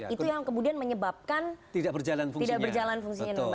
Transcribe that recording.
itu yang kemudian menyebabkan tidak berjalan fungsinya